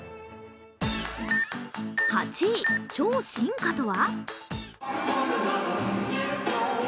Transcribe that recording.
８位、超進化とは？